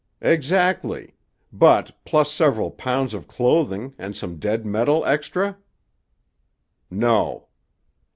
"Exactly; but plus several pounds of clothing, and some dead metal extra?" "No."